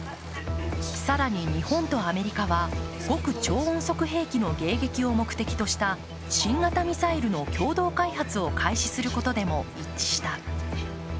更に日本とアメリカは極超音速兵器の迎撃を目的とした新型ミサイルの共同開発を開始することでも一致した。